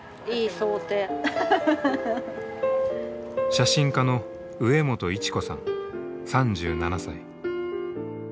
写真家の植本一子さん３７歳。